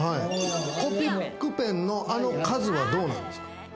コピックペンの、あの数はどうなの？